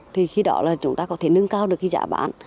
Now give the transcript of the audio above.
thì khi đó là chúng ta có thể nâng cao được cái giá bán